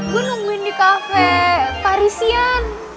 gue nungguin di kafe kak rizian